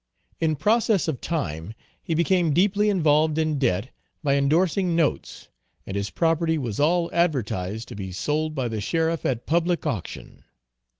In process of time he became deeply involved in debt by endorsing notes, and his property was all advertised to be sold by the sheriff at public auction.